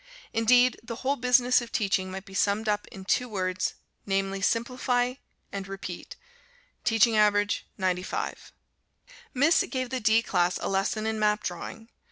Indeed, the whole business of teaching might be summed up in two words, namely, simplify and repeat. Teaching average 95. Miss gave the D class a lesson in Map Drawing.